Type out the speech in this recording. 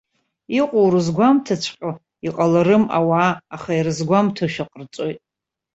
Иҟоу рызгәамҭаҵәҟьо иҟаларым ауаа, аха ирызгәамҭошәа ҟарҵоит.